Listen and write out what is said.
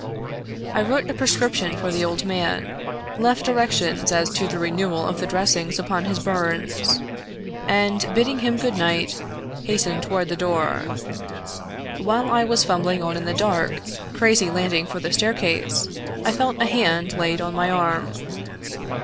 I wrote a prescription for the old man, left direc tions as to the renewal of the dressings upon his bums, and, bidding him good night, hastened toward the door. While I was fumbling on the dark, crazy landing for the staircase, I felt a hand laid on my arm.